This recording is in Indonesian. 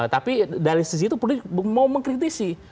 tapi dari sisi itu publik mau mengkritisi